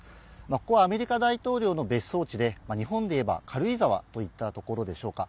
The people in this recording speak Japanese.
ここはアメリカ大統領の別荘地で日本でいえば軽井沢といったところでしょうか。